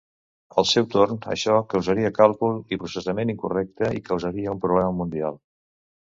Al seu torn, això causaria càlcul i processament incorrecte i causaria un problema mundial.